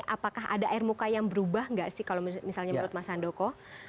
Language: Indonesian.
apakah ada air muka yang berubah nggak sih kalau misalnya menurut mas handoko